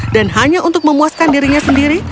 dan hanya untuk memuaskan dirinya sendiri